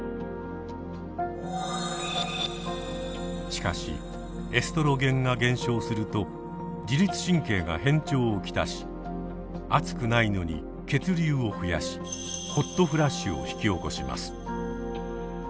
しかしエストロゲンが減少すると自律神経が変調を来し暑くないのに血流を増やしホットフラッシュを引き起こします。